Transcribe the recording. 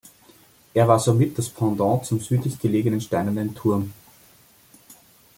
Er war somit das Pendant zum südlich gelegenen Steinernen Turm.